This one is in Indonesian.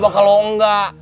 coba kalau enggak